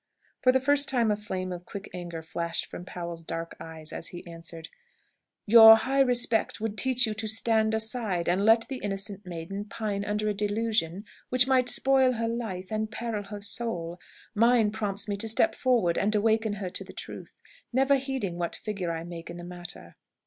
For the first time a flame of quick anger flashed from Powell's dark eyes, as he answered, "Your high respect would teach you to stand aside and let the innocent maiden pine under a delusion which might spoil her life and peril her soul; mine prompts me to step forward and awaken her to the truth, never heeding what figure I make in the matter."